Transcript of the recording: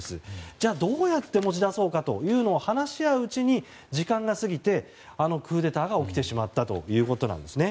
じゃあ、どうやって持ち出そうかというのを話し合ううちに時間が過ぎてあのクーデターが起きてしまったということなんです。